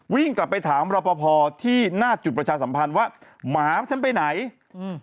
วิ่งกลับไปถามรอปภที่หน้าจุดประชาสัมพันธ์ว่าหมาฉันไปไหนอืม